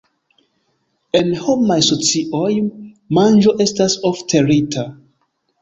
En homaj socioj, manĝo estas ofte rita.